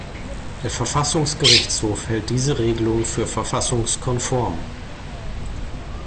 Der Verfassungsgerichtshof hält diese Regelung für verfassungskonform.